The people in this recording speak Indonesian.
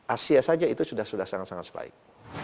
asia saja itu sudah sangat sangat sebaik